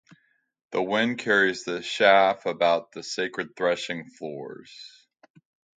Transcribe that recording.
The wind carries the chaff about the sacred threshing-floors.